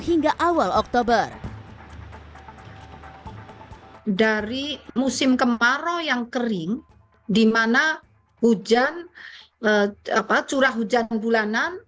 hingga awal oktober dari musim kemarau yang kering dimana hujan apa curah hujan bulanan